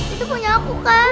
itu punya aku kak